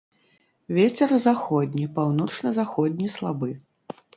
Вецер заходні, паўночна-заходні слабы.